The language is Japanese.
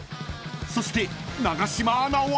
［そして永島アナは］